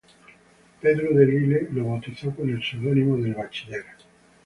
Pedro de Lille lo bautizó con el seudónimo de "El Bachiller".